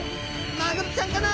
マグロちゃんかな？